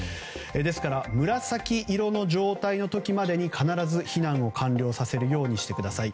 ですから、紫色の状態の時までに必ず避難を完了させるようにしてください。